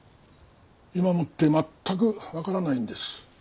今もって全くわからないんです。